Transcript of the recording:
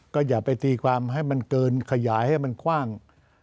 ก็อย่าไปตีความให้มันเกินขยายให้มันคว่าง